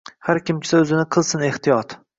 Har kimsa o’zini qilsin ehtiyot: